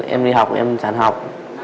em đi học em chán học